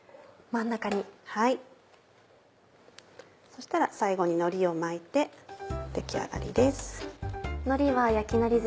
そしたら最後にのりを巻いて出来上がりです。